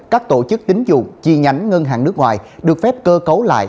các tổ chức tính dụng chi nhánh ngân hàng nước ngoài được phép cơ cấu lại